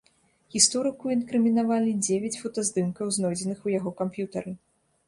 Гісторыку інкрымінавалі дзевяць фотаздымкаў, знойдзеных у яго камп'ютары.